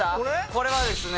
これはですね